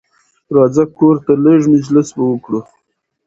راځه کورته لېږ مجلس به وکړو